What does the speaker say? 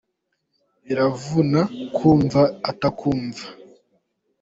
biravuna kumva utakumva.